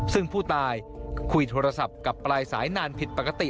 ซึ่งผู้ตายคุยโทรศัพท์กับปลายสายนานผิดปกติ